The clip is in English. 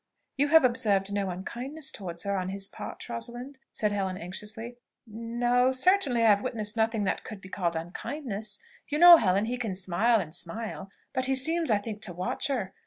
"You have observed no unkindness towards her on his part, Rosalind?" said Helen anxiously. "N ... o; certainly I have witnessed nothing that could be called unkindness. You know, Helen, he can smile and smile but he seems, I think, to watch her.